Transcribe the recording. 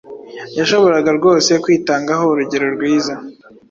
Yashoboraga rwose kwitangaho urugero rwiza